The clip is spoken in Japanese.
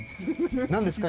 何ですか？